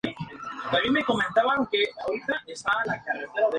Algunos de ellos son antiguos, y pudieron haber sido confundidos con sismos.